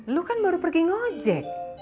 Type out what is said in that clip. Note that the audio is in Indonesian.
lu kan baru pergi ngojek